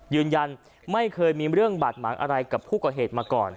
ยืนยันไม่เคยมีเรื่องบาดหมางอะไรกับผู้ก่อเหตุมาก่อน